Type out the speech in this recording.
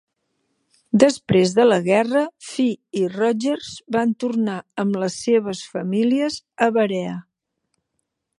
Després de la guerra, Fee i Rogers van tornar amb els seves famílies a Berea.